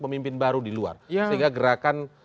pemimpin baru di luar sehingga gerakan